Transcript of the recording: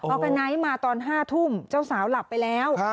อร์กาไนท์มาตอน๕ทุ่มเจ้าสาวหลับไปแล้ว